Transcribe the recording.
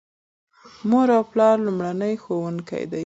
مور او پلار لومړني ښوونکي دي.